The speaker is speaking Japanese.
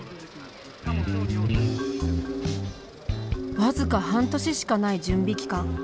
僅か半年しかない準備期間。